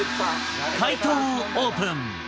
解答をオープン。